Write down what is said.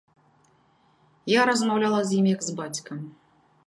Я размаўляла з ім як з бацькам.